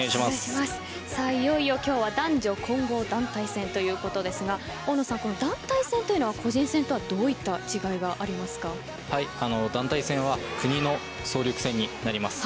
いよいよ今日は男女混合団体戦ということですが団体戦というのは個人戦とは団体戦は国の総力戦になります。